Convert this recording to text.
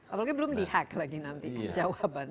apalagi belum di hack lagi nanti kan jawabannya